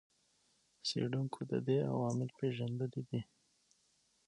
څېړونکو د دې عوامل پېژندلي دي.